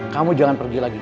kamu jangan pergi lagi